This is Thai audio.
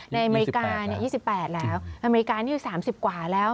อเมริกา๒๘แล้วอเมริกานี่อยู่๓๐กว่าแล้ว